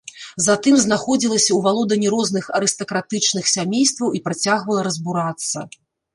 Затым знаходзілася ў валоданні розных арыстакратычных сямействаў і працягвала разбурацца.